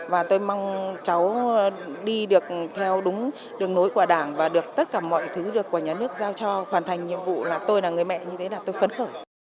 và tôi mong cháu đi được theo đúng đường nối của đảng và được tất cả mọi thứ được của nhà nước giao cho hoàn thành nhiệm vụ là tôi là người mẹ như thế là tôi phấn khởi